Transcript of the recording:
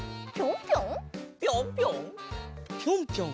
ぴょんぴょん？